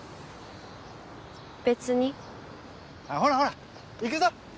別にほらほら行くぞ！